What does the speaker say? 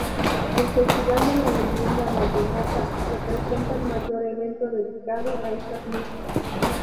El Festival de la Leyenda Vallenata representa el mayor evento dedicado a estas músicas.